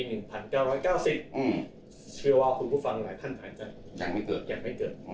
เชียวว่าคุณผู้ฟังหลายท่านก็ยังไม่เกิด